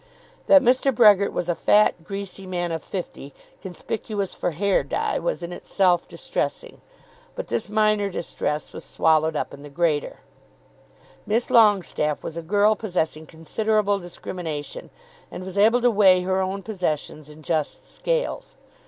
That Mr. Brehgert was a fat, greasy man of fifty, conspicuous for hair dye, was in itself distressing: but this minor distress was swallowed up in the greater. Miss Longestaffe was a girl possessing considerable discrimination, and was able to weigh her own possessions in just scales.